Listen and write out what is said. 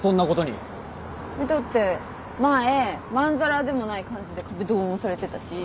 だって前まんざらでもない感じで壁ドンされてたし。